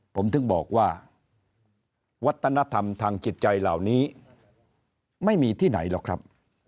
ผมถึงบอกว่าวัฒนธรรมทางจิตใจเหล่านี้ไม่มีที่ไหนหรอกครับ